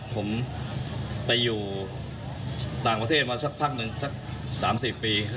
ผมไปอยู่ต่างประเทศมาสักพักหนึ่งสัก๓๔ปี